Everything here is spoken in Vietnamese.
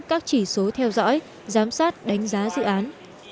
các chỉ số theo dõi giám sát đánh giá dự án